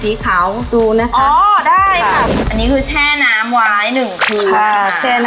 ต่อยแขวดใส่ลงไปนะ